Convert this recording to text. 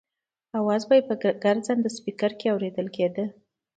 اواز یې په ګرځنده سپېکر کې اورېدل کېده.